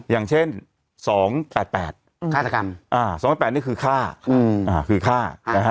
อย่างเช่น๒๘๘ฆาตกรรม๒๘๘นี่คือฆ่าคือฆ่านะฮะ